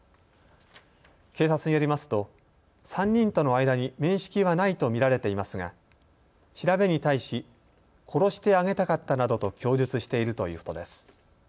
警察によりますと３人との間に面識はないとみられていますが調べに対し殺してあげたかったなどと供述しているということです。